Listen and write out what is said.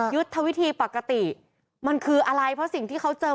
ยุทธวิธีปกติมันคืออะไรเพราะสิ่งที่เขาเจอ